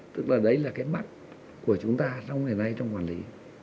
tức là đấy là cái mắt của chúng ta trong ngày nay trong quản lý